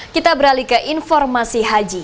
kita beralih ke informasi haji